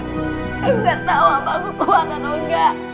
aku gak tahu apakah aku kuat atau enggak